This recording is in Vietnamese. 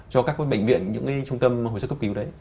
cho các bệnh viện những trung tâm hồi sức cấp cứu đấy